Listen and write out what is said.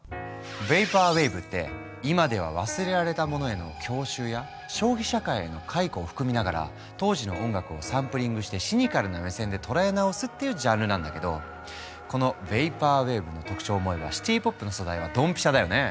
ヴェイパーウェーブって今では忘れられたものへの郷愁や消費社会への回顧を含みながら当時の音楽をサンプリングしてシニカルな目線で捉え直すっていうジャンルなんだけどこのヴェイパーウェーブの特徴を思えばシティ・ポップの素材はドンピシャだよね。